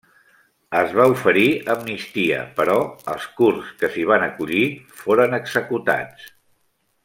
Es va oferir amnistia però els kurds que s'hi van acollir foren executats.